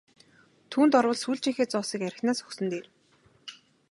Түүнд орвол сүүлчийнхээ зоосыг архинаас өгсөн нь дээр!